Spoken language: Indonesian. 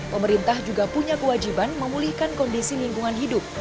pemerintah juga punya kewajiban memulihkan kondisi lingkungan hidup